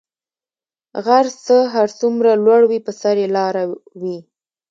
غر څه هر څومره لوړ وی په سر ئي لاره وی